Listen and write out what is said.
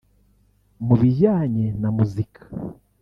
Mu bijyane na muzika